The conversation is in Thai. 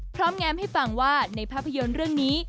แง้มให้ฟังว่าในภาพยนตร์เรื่องนี้